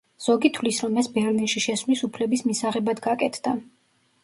ზოგი თვლის, რომ ეს ბერლინში შესვლის უფლების მისაღებად გაკეთდა.